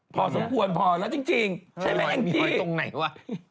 พอสมควรพอแล้วจริงใช่ไหมแองจี้ตรงไหนวะ